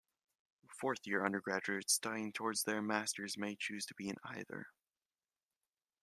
Fourth year undergraduates studying towards their Masters may choose to be in either.